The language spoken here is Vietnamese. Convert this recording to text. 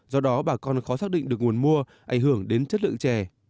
do đó bà con khó xác định được nguồn mua ảnh hưởng đến chất lượng chè